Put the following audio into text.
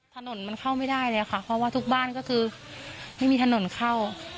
ถนนมันเข้าไม่ได้เลยค่ะเพราะว่าทุกบ้านก็คือไม่มีถนนเข้า